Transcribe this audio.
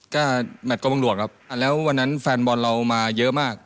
ก็แมทกองบังหลวงครับแล้ววันนั้นแฟนบอลเรามาเยอะมาก